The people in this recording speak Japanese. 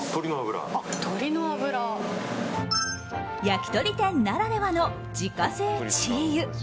焼き鳥店ならではの自家製鶏油。